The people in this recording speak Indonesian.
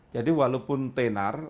jadi walaupun tenar